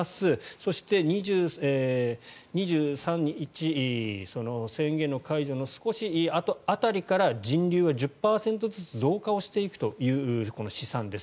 そして、２３日宣言の解除の少しあと辺りから人流は１０％ずつ増加をしていくというこの試算です。